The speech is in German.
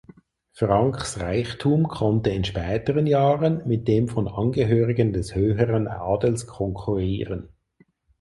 Franks Reichtum konnte in späteren Jahren mit dem von Angehörigen des höheren Adels konkurrieren.